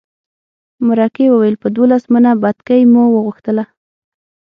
مرکې وویل په دولس منه بتکۍ مو وغوښتله.